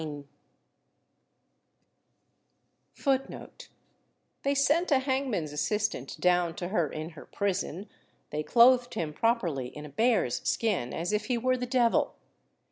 " They sent a hangman's assistant down to her in her prison; they clothed him properly in a bear's skin, as if he were the devil.